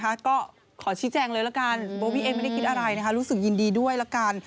ไม่ได้คิดอะไรนะคะรู้สึกยินดีด้วยละกัน